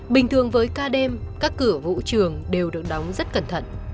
bình thường với ca đêm các cửa vũ trường đều được đóng rất cẩn thận